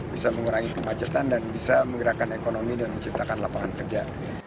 bisa mengurangi kemacetan dan bisa menggerakkan ekonomi dan menciptakan lapangan kerja